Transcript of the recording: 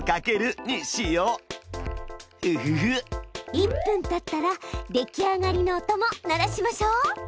１分たったらできあがりの音も鳴らしましょう。